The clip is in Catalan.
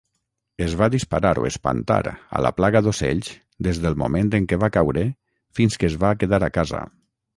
Es va disparar o espantar a la plaga d'ocells des del moment en què va caure fins que es va quedar a casa.